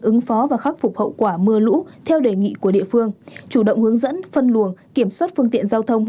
ứng phó và khắc phục hậu quả mưa lũ theo đề nghị của địa phương chủ động hướng dẫn phân luồng kiểm soát phương tiện giao thông